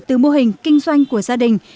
từ mô hình kinh doanh của gia đình